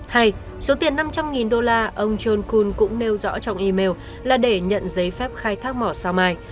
hay số tiền năm trăm linh đô la ông john kun cũng nêu rõ trong email là để nhận giấy phép khai thác mỏ sao mai